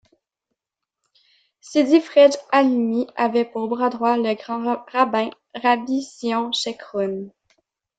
Sidi Fredj Halimi avait pour bras droit le grand rabbin Rabbie Sion Chekroun.